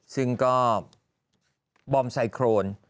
ซึ่งก็บอมไซโครน